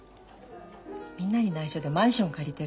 みんなにないしょでマンション借りてるの。